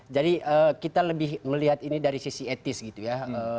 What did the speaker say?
jadi kita lebih melihat ini dari sisi etis gitu ya